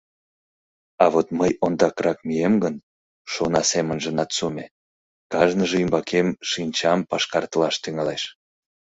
А вот мый ондакрак мием гын, — шона семынже Нацуме, — кажныже ӱмбакем шинчам пашкартылаш тӱҥалеш.